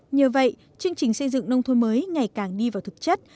nhờ vậy chương trình xây dựng nông thôn mới ngày càng đi vào thực chất